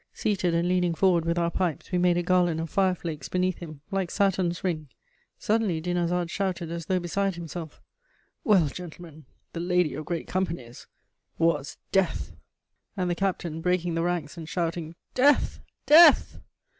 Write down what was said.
Seated and leaning forward with our pipes, we made a garland of fire flakes beneath him, like Saturn's ring. Suddenly Dinarzade shouted, as though beside himself: "Well, gentlemen, the Lady of Great Companies was Death!" And the captain, breaking the ranks and shouting "Death! Death!"